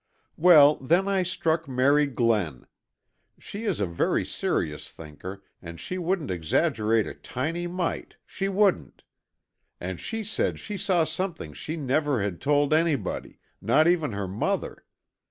Well, then I struck Mary Glenn. She is a very serious thinker, and she wouldn't exaggerate a tiny mite, she wouldn't. And she said she saw something she never had told anybody, not even her mother.